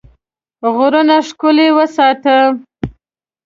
غرونه ښکلي وساته.